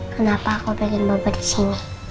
kenapa aku pengen beber disini